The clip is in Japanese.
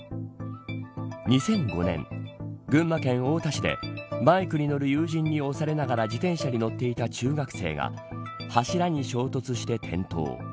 ２００５年、群馬県太田市でバイクに乗る友人に押されながら自転車に乗っていた中学生が柱に衝突して転倒。